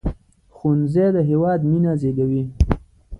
ښوونځی د هیواد مينه زیږوي